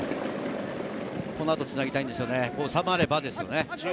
この後、つなぎたいんですよね、収まればですよね。